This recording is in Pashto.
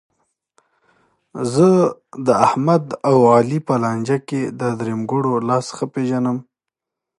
زه داحمد او علي په لانجه کې د درېیمګړو لاس ښه پېژنم.